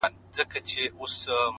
o زما هغـه ســـترگو ته ودريـــږي؛